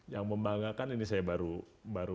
yang membanggakan ini saya baru